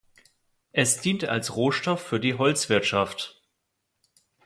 Es dient als Rohstoff für die Holzwirtschaft.